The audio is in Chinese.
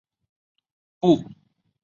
不依附政党！